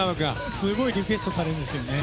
すごいリクエストされるんです。